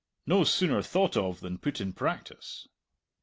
No sooner thought of than put in practice.